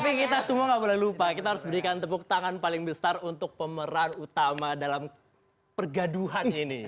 tapi kita semua gak boleh lupa kita harus berikan tepuk tangan paling besar untuk pemeran utama dalam pergaduhan ini